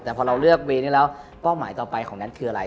แต่พอเราเลือกเวย์นี้แล้วเป้าหมายต่อไปของแท็กคืออะไร